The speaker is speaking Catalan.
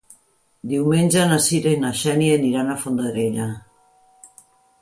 Diumenge na Cira i na Xènia iran a Fondarella.